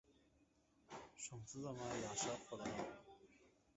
Şonsuzama ýaşap bolanok.